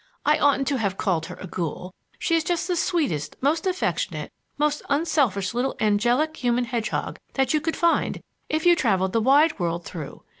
I oughtn't to have called her a ghoul; she is just the sweetest, most affectionate, most unselfish little angelic human hedgehog that you could find if you traveled the wide world through.